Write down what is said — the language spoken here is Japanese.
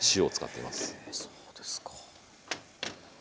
そうですか。